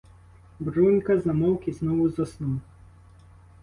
Брунька замовк і знову заснув.